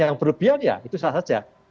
kekecewaan dari masyarakat